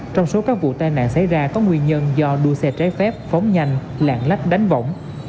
trong số các vụ tai nạn xảy ra có nguyên nhân do đua xe trái phép phóng nhanh lạng lách đánh võng